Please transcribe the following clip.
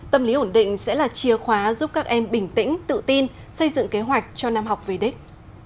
tâm lý ổn định sẽ là chìa khóa giúp các em bình tĩnh tự tin xây dựng kế hoạch cho năm học về đích